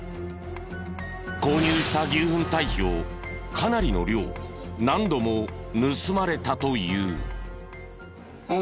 購入した牛ふん堆肥をかなりの量何度も盗まれたという。